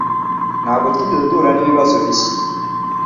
Ntabwo twigeze duhura nibibazo bishya